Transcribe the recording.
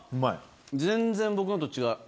全然、僕のと違う。